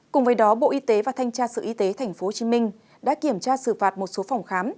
cùng với đó bộ y tế và thanh tra sở y tế tp hcm đã kiểm tra xử phạt một số phòng khám